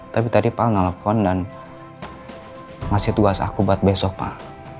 tapi tadi pak nelfon dan ngasih tugas aku buat besok pak